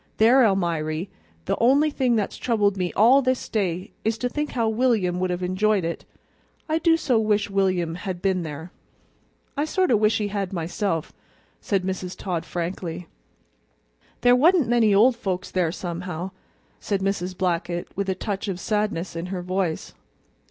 "There, Almiry, the only thing that's troubled me all this day is to think how William would have enjoyed it. I do so wish William had been there." "I sort of wish he had, myself," said Mrs. Todd frankly. "There wa'n't many old folks there, somehow," said Mrs. Blackett, with a touch of sadness in her voice.